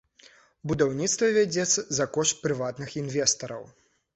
Будаўніцтва вядзецца за кошт прыватных інвестараў.